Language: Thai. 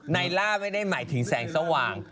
ในล่าไม่ได้หมายถึงแสงสว่าง